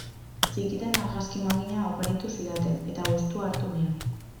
Txikitan argazki makina oparitu zidaten eta gustua hartu nion.